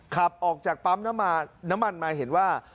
ขับออกจากปั๊มน้ำมันมาเห็นว่า